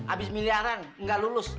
abis miliaran gak lulus